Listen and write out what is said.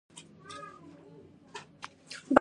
بیرته په ځای کړي